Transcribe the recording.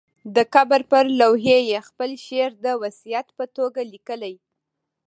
د قبر پر لوحې یې خپل شعر د وصیت په توګه لیکلی.